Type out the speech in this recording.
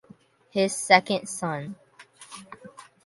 His second son.